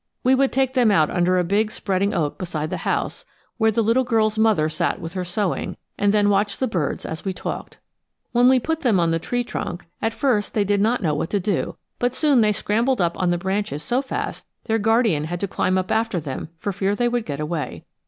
We would take them out under a big spreading oak beside the house, where the little girl's mother sat with her sewing, and then watch the birds as we talked. When we put them on the tree trunk, at first they did not know what to do, but soon they scrambled up on the branches so fast their guardian had to climb up after them for fear they would get away.